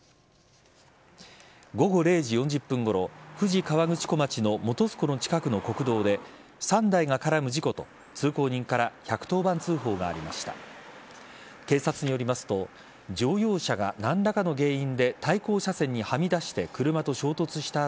午後０時４０分ごろ富士河口湖町の本栖湖の近くの国道で３台が絡む事故と、通行人から１１０番通報がありました。